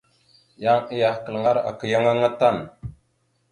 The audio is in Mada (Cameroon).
Yan ayakal ŋgar aka yan aŋa tan.